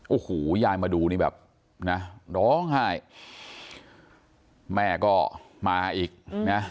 โอ้โหยายมาดูนี่แบบนะร้องไห้แม่ก็มาอีกนะ